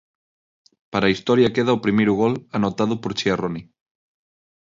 Para a historia queda o primeiro gol, anotado por Chiarroni.